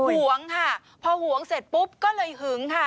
ห่วงค่ะพอหวงเสร็จปุ๊บก็เลยหึงค่ะ